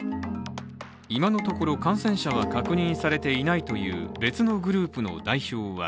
今のところ感染者は確認されていないという別のグループの代表は